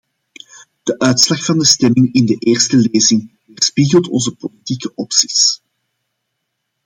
De uitslag van de stemming in de eerste lezing weerspiegelt onze politieke opties.